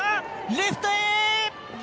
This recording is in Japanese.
レフトへ！